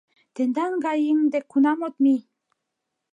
Тендан гай еҥ дек кунам от мий.